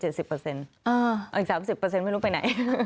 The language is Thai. อีก๓๐ไม่รู้ไปไหน